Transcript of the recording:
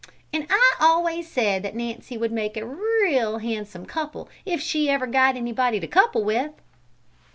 ("And I always said that Nancy would make a real handsome couple if she ever got anybody to couple with!")